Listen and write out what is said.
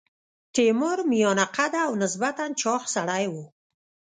تیمور میانه قده او نسبتا چاغ سړی دی.